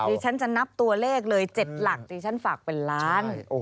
ดิฉันจะนับตัวเลขเลย๗หลักดิฉันฝากเป็นล้าน